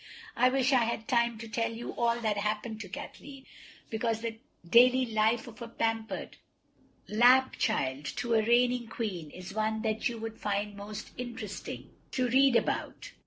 I wish I had time to tell you all that happened to Kathleen, because the daily life of a pampered lap child to a reigning Queen is one that you would find most interesting to read about.